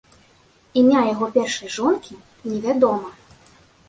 Імя яго першай жонкі невядома.